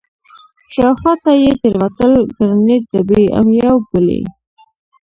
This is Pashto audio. شاوخوا ته يې ټروټيل ګرنېټ د بي ام يو ګولۍ.